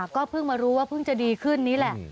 ก็เพิ่งมารู้ว่าเพิ่งจะดีขึ้นนี่แหละ